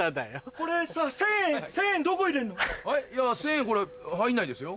これ入んないですよ。